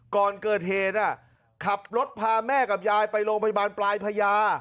ก่อนเกิดเหตุขับรถพาแม่กับยายไปโรงพยาบาลปลายพญา